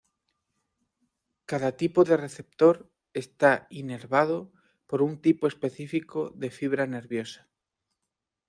Cada tipo de receptor está inervado por un tipo específico de fibra nerviosa.